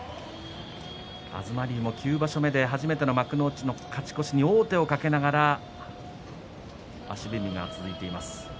東龍も９場所目で初めての幕内の勝ち越しに王手をかけながら足踏みが続いています。